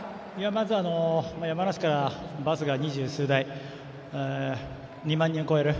まず、山梨からバスが二十数台２万人を超える。